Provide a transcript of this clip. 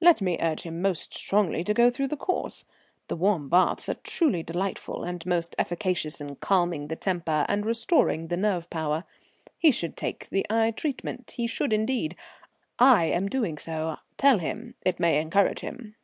"Let me urge him most strongly to go through the course. The warm baths are truly delightful and most efficacious in calming the temper and restoring the nerve power. He should take the Aix treatment, he should indeed. I am doing so, tell him; it may encourage him."